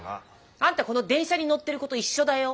あんたこの電車に乗ってる子と一緒だよ。